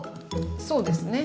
そうですね。